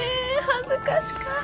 恥ずかしかぁ。